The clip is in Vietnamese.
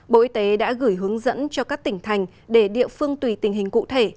bộ y tế đã gửi hướng dẫn cho các tỉnh thành để địa phương tùy tình hình cụ thể